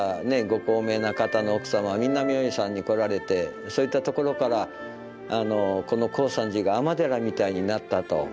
ご高名な方の奥様はみんな明恵さんに来られてそういったところからこの高山寺が尼寺みたいになったと。